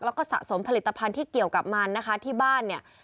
แล้วก็สะสมผลิตภัณฑ์ที่เกี่ยวกับมันนะคะที่บ้านเนี่ย